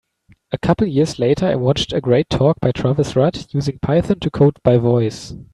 A couple years later I watched a great talk by Tavis Rudd, Using Python to Code by Voice.